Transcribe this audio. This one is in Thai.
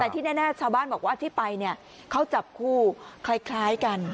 แต่ที่แน่ชาวบ้านบอกว่าที่ไปเนี่ยเขาจับคู่คล้ายกัน